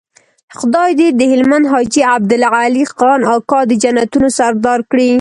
خدای دې د هلمند حاجي عبدالعلي خان اکا د جنتونو سردار کړي.